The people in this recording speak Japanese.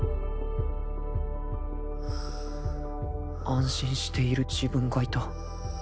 ［安心している自分がいた］